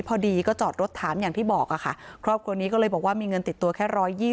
พอดีก็จอดรถถามอย่างที่บอกค่ะครอบครัวนี้ก็เลยบอกว่ามีเงินติดตัวแค่๑๒๐